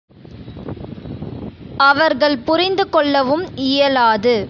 அவர்கள் புரிந்து கொள்ளவும் இயலாது.